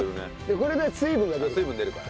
これで水分が出るから。